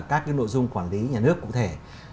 các nội dung quản lý nhà nước cụ thể